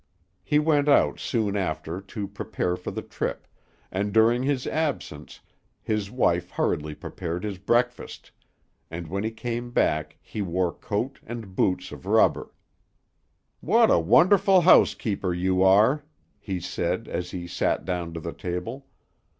He went out soon after to prepare for the trip, and during his absence his wife hurriedly prepared his breakfast; and when he came back he wore coat and boots of rubber. "What a wonderful housekeeper you are," he said, as he sat down to the table.